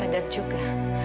bapak sadar juga